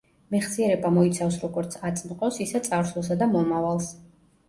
მეხსიერება მოიცავს როგორც აწმყოს, ისე წარსულსა და მომავალს.